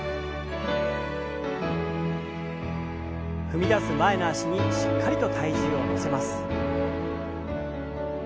踏み出す前の脚にしっかりと体重を乗せます。